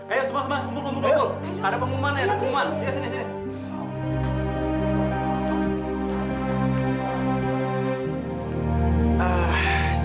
ayo semua semua kumpul kumpul